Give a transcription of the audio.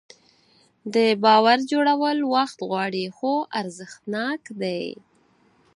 د باور جوړول وخت غواړي خو ارزښتناک دی.